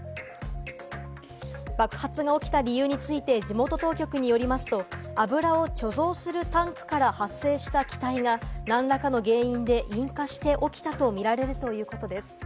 爆発が起きた理由について、地元当局によりますと、油を貯蔵するタンクから発生した気体が何らかの原因で引火して起きたとみられるということです。